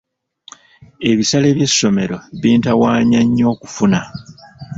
Ebisale by'essomero bintawaanya nnyo okufuna.